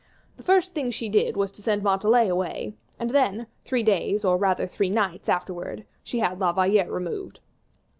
The first thing she did was to send Montalais away, and then, three days, or rather three nights afterwards, she had La Valliere removed.